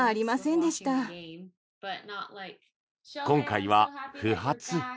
今回は不発。